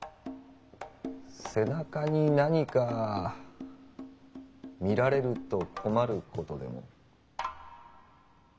「背中」に何か見られると困ることでも？